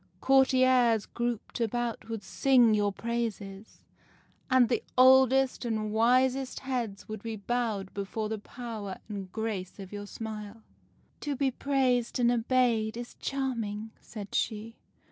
Courtiers grouped about would sing your praises, and the oldest and wisest heads would be bowed before the power and grace of your smile.' '"To be praised and obeyed is charming,' said she.